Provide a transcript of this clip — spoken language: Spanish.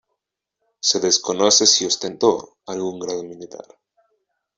Se desconoce si ostentó algún grado militar.